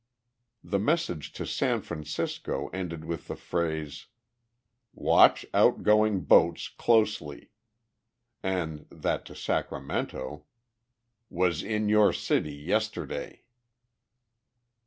The message to San Francisco ended with the phrase "Watch outgoing boats closely," and that to Sacramento "Was in your city yesterday."